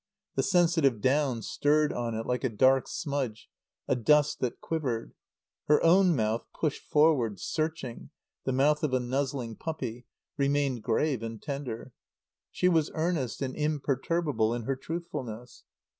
The sensitive down stirred on it like a dark smudge, a dust that quivered. Her own mouth, pushed forward, searching, the mouth of a nuzzling puppy, remained grave and tender. She was earnest and imperturbable in her truthfulness.